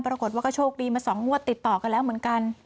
ปรากฏว่าก็โชคดีมา๒งวดติดต่อกันแล้วเหมือนกัน